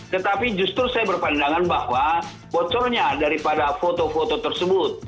tetapi justru saya berpandangan bahwa bocornya daripada foto foto tersebut